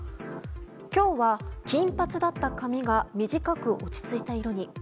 今日は金髪だった髪が短く落ち着いた色に。